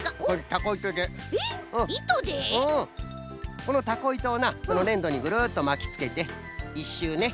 このタコいとをなそのねんどにぐるっとまきつけて１しゅうね。